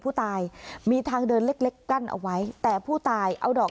ผู้ตายมีทางเดินเล็กเล็กกั้นเอาไว้แต่ผู้ตายเอาดอก